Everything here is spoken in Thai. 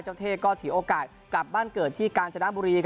เจ้าเทก็ถี่โอกาสกลับบ้านเกิดที่การชนะบุรี